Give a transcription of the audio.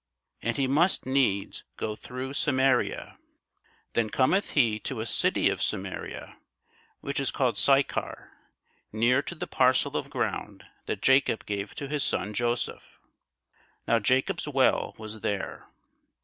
And he must needs go through Samaria. Then cometh he to a city of Samaria, which is called Sychar, near to the parcel of ground that Jacob gave to his son Joseph. Now Jacob's well was there.